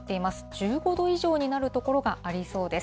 １５度以上になる所がありそうです。